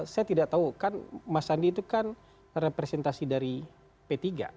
saya tidak tahu kan mas sandi itu kan representasi dari p tiga